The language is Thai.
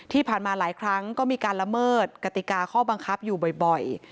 ที่ผ่านมาหลายครั้งก็มีการละเมิดกติกาข้อบังคับอยู่บ่อย